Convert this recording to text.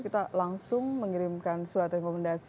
kita langsung mengirimkan surat rekomendasi